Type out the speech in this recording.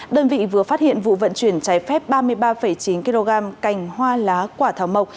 đơn vị vừa phát hiện vụ vận chuyển trái phép ba mươi ba chín kg cành hoa lá quả thảo mộc